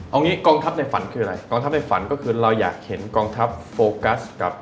เอางี้กองทัพในฝันคืออะไรกองทัพในฝันก็คือเราอยากเห็นกองทัพโฟกัสกับ